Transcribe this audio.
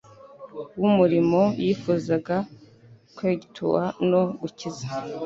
w'umurimo yifuzaga kwegtua no gukiza.